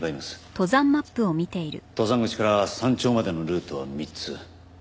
登山口から山頂までのルートは３つ。